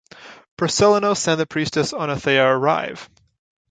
Proselenos and the priestess Oenothea arrive.